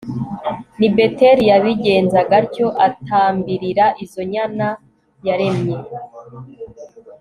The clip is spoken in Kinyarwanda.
Ni Beteli yabigenzaga atyo atambirira izo nyana yaremye